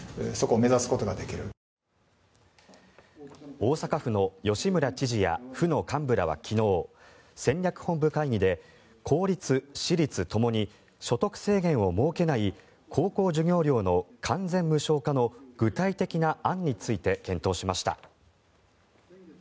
大阪府の吉村知事や府の幹部らは昨日戦略本部会議で公立・私立ともに所得制限を設けない高校授業料の完全無償化の具体的な案について検討しました。